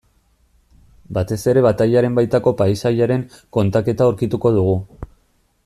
Batez ere batailaren baitako paisaiaren kontaketa aurkituko dugu.